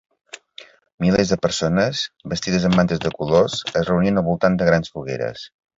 Milers de persones, vestides amb mantes de colors, es reunien al voltant de grans fogueres.